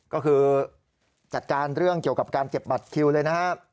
ก็คือจัดการเรื่องเกี่ยวกับการเก็บบัตรคิวเลยนะครับ